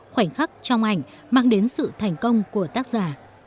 khoảnh khắc trong ảnh mang đến sự thành công của tác giả